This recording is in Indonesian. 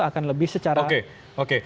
akan lebih secara oke